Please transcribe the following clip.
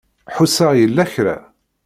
Ḥusseɣ yella kra.